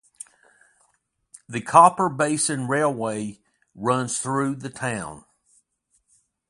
The Copper Basin Railway runs through the town.